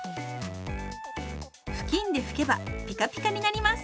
布巾で拭けばピカピカになります。